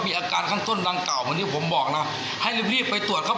อาการข้างต้นดังเก่าเหมือนที่ผมบอกนะให้รีบรีบไปตรวจครับ